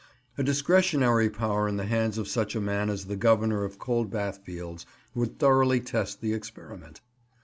A discretionary power in the hands of such a man as the Governor of Coldbath Fields would thoroughly test the experiment.